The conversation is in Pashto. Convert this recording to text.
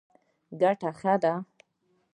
ګټه ښه ده.